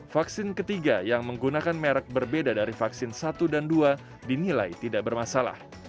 vaksin ketiga yang menggunakan merek berbeda dari vaksin satu dan dua dinilai tidak bermasalah